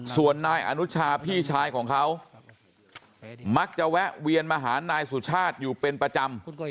ส่วนนายอนุชาพี่ชายของเขามักจะแวะเวียนมาหานายสุชาติอยู่เป็นประจำ